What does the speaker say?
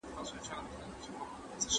ګډه پاملرنه ژوند اسانه کوي.